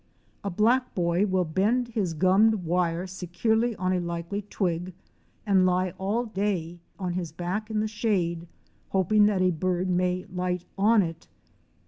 A black boy will bend his gummed wire securely on a likely twig, and lie all day on his back in the shade, hoping that a bird may light on it.